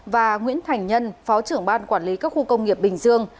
và nguyễn thành nhân phó trưởng ban quản lý các khu công nghiệp bình dương